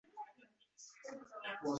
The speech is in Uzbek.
Uni bir kunda keltirib berdim.